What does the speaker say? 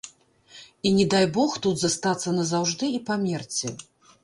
І не дай бог тут застацца назаўжды і памерці.